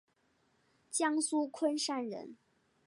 江苏昆山人。